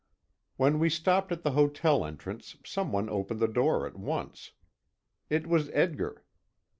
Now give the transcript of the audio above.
When we stopped at the hotel entrance some one opened the door at once. It was Edgar.